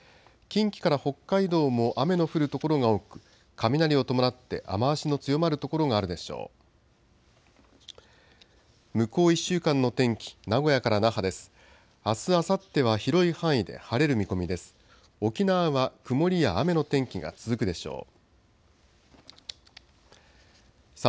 近畿から北海道も雨の降る所が多く雷を伴って雨足の強まる所があるでしょう。